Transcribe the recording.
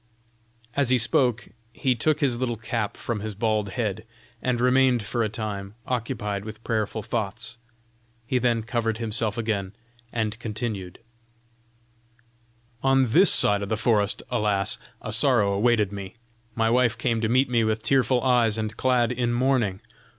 As he spoke he took his little cap from his bald head, and remained for a time occupied with prayerful thoughts; he then covered himself again, and continued: "On this side the forest, alas! a sorrow awaited me. My wife came to meet me with tearful eyes and clad in mourning.